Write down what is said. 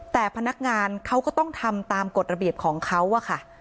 แต่พนักงานเขาก็ต้องทำตามกฎระเบียบของเขาอะค่ะ